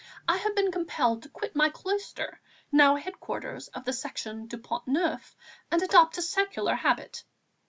I have been compelled to quit my cloister, now headquarters of the Section du Pont Neuf, and adopt a secular habit.